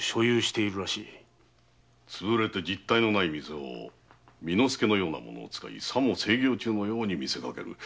潰れて実体のない店を巳之助のような者を使いさも盛業中のように見せかける。